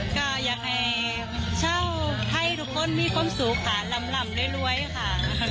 ก็อยากให้ชาวไทยทุกคนมีความสุขค่ะลำได้รวยค่ะ